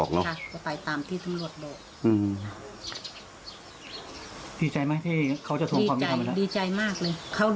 กลัวเขามาฆ่า